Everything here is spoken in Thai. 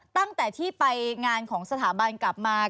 ตั้งแต่ที่ไปงานของสถาบันกลับมา